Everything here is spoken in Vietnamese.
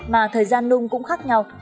mà thời gian nung cũng khác nhau